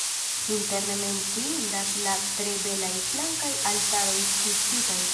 Interne menciindas la tre belaj flankaj altaroj skulptitaj.